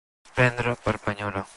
Prendre per penyora.